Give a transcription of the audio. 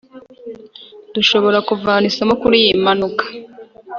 Dushobora kuvana isomo kuri iyi manuka